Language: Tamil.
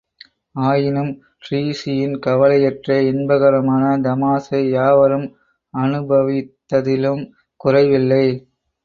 ஆயினும் டிரீஸியின் கவலையற்ற இன்பகரமான தமாஷை யாவரும் அதுபவித்ததிலும் குறைவில்லை!